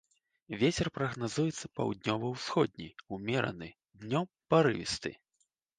Вецер прагназуецца паўднёва-ўсходні ўмераны, днём парывісты.